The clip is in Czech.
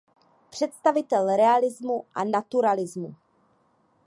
Představitel realismu a naturalismu.